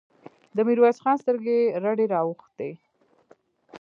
د ميرويس خان سترګې رډې راوختې.